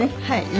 はい。